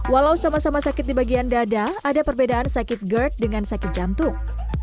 walau sama sama sakit di bagian dada ada perbedaan sakit gerd dengan sakit jantung